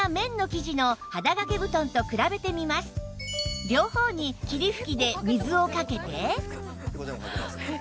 では両方に霧吹きで水をかけて